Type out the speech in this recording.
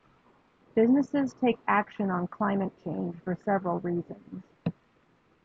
Businesses take action on climate change for several reasons.